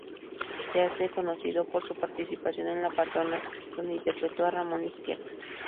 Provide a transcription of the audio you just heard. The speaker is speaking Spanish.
Se hace conocido por su participación en "La patrona", donde interpretó a Ramón Izquierdo.